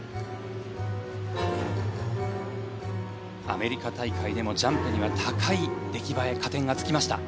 アメリカ大会でもジャンプには高い出来栄え、加点がつきました。